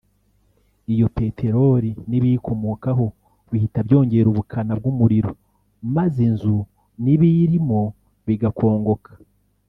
iyo peteroli n’ibiyikomokaho bihita byongera ubukana bw’umuriro maze inzu n’ibiyirimo bigakongoka